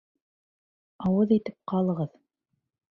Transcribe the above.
Ауыҙ итеп ҡалығыҙ!